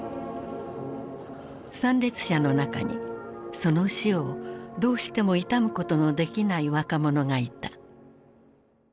参列者の中にその死をどうしても悼むことのできない若者がいた。